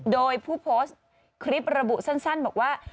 โดยผู้โพสต์คลิประบุสั้นบอกว่า